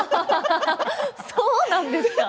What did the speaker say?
そうなんですか？